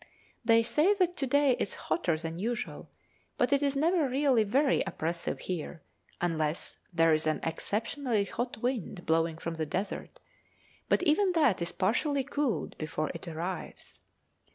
They say that to day is hotter than usual, but it is never really very oppressive here unless there is an exceptionally hot wind blowing from the desert, but even that is partially cooled before it arrives.